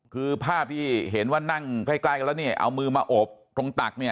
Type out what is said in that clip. คือภาพที่เห็นว่านั่งใกล้กันแล้วเนี่ยเอามือมาโอบตรงตักเนี่ย